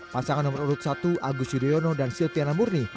pasangan nomor urut satu agus yudhoyono dan silviana murni